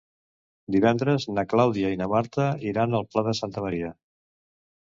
Divendres na Clàudia i na Marta iran al Pla de Santa Maria.